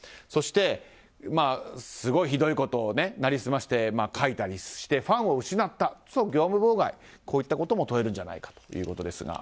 そして、すごいひどいことを成り済まして書いたりしてファンを失ったとすると業務妨害といったことも問えるんじゃないかということです。